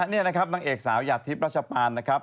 นี่นะครับนางเอกสาวหยาดทิพย์รัชปานนะครับ